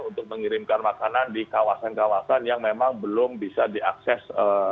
untuk mengirimkan makanan di kawasan kawasan yang memang belum bisa diakses